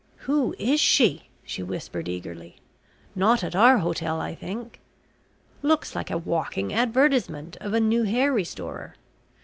"Who is she?" she whispered eagerly. "Not at our hotel I think. Looks like a walking advertisement of a new hair restorer.